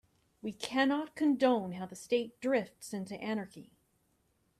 We cannot condone how the state drifts into anarchy.